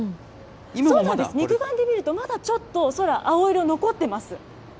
肉眼で見ると、まだちょっと空、青色残ってます。